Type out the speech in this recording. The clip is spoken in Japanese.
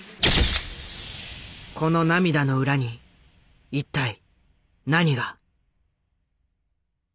この涙の裏に一体何が。